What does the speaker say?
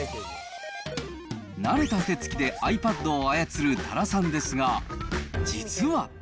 慣れた手つきでｉＰａｄを操る多良さんですが、実は。